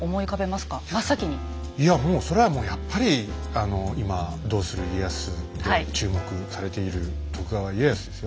いやもうそれはもうやっぱり今「どうする家康」で注目されている徳川家康ですよね。